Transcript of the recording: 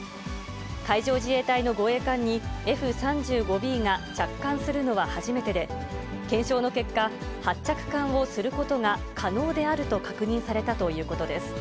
海上自衛隊の護衛艦に、Ｆ３５Ｂが着艦するのは初めてで、検証の結果、発着艦をすることが可能であると確認されたということです。